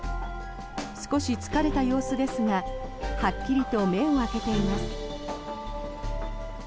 少し疲れた様子ですがはっきりと目を開けています。